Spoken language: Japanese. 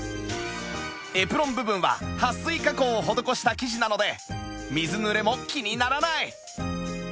エプロン部分ははっ水加工を施した生地なので水ぬれも気にならない